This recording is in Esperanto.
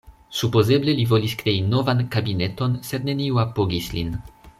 Supozeble li volis krei novan kabineton, sed neniu apogis lin.